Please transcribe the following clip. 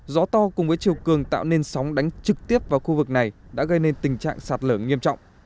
gió to cùng với chiều cường tạo nên sóng đánh trực tiếp vào khu vực này đã gây nên tình trạng sạt lở nghiêm trọng